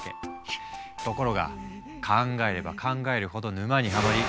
ところが考えれば考えるほど沼にはまり